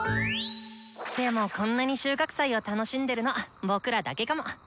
でもこんなに収穫祭を楽しんでるの僕らだけかも。